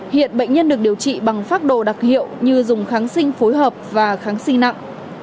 hiện bệnh nhân được điều trị bằng pháp đồ đặc hiệu như dùng kháng sinh phối hợp và kháng sinh nặng